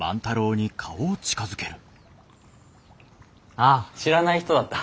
ああ知らない人だった。